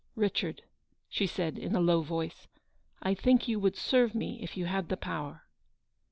" Richard/' she said in a low voice, " I think you would serve me if you had the power."